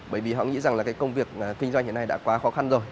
bởi vì họ nghĩ rằng là cái công việc kinh doanh hiện nay đã quá khó khăn rồi